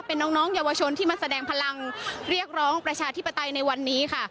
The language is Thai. เป็นน้องเยาวชนที่มาแสดงพลังเรียกร้องประชาธิปไตยในวันนี้ค่ะ